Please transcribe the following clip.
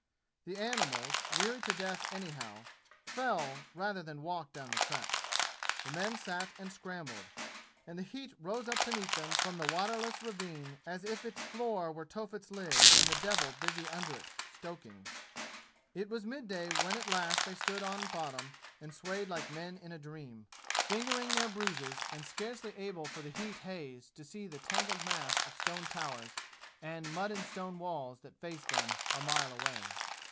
The animals, weary to death anyhow, fell rather that walked down the track. The men sat and scrambled. And the heat rose up to meet them from the waterless ravine as if its floor were Tophet's lid and the devil busy under it, stoking. It was midday when at last they stood on bottom and swayed like men in a dream fingering their bruises and scarcely able for the heat haze to see the tangled mass of stone towers and mud and stone walls that faced them, a mile away.